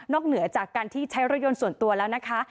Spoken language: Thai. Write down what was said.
เหนือจากการที่ใช้รถยนต์ส่วนตัวแล้วนะคะ